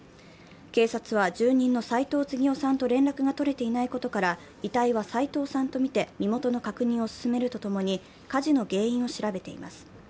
警察は住人の斉藤次男さんと連絡が取れていないことから遺体は斉藤さんとみて身元の確認を進めるとともに火事の原因を調べています。